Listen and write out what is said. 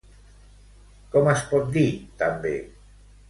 Com es pot dir també?